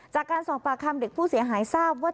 จากการสอบปากคำเด็กผู้เสียหายทราบว่า